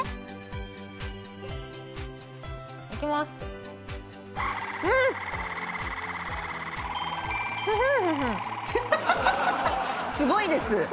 すごいです。